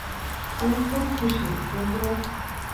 আমি খুব খুশি, বন্ধুরা।